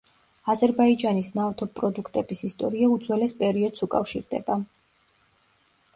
აზერბაიჯანის ნავთობპროდუქტების ისტორია უძველეს პერიოდს უკავშირდება.